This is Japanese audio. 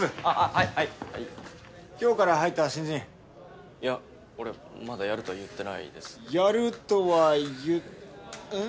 はいはいはい今日から入った新人いや俺まだやるとは言ってないですやるとは言っうん？